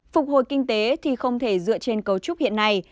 phục hồi kinh tế thì không thể dựa trên cấu trúc hiện nay